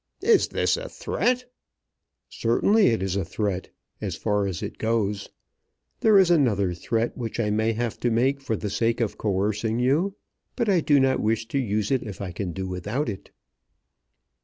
"Is this a threat?" "Certainly it is a threat, as far as it goes. There is another threat which I may have to make for the sake of coercing you; but I do not wish to use it if I can do without it."